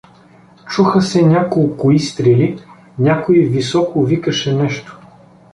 Чуха се няколко изстрели, някой високо викаше нещо.